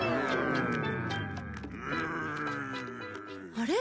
あれ？